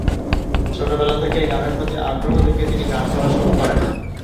ছোটবেলা থেকেই গানের প্রতি আগ্রহ দেখে তিনি গান গাওয়া শুরু করেন।